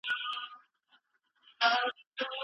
موږ باید د هر چا د توان او همت پوره درناوی وکړو.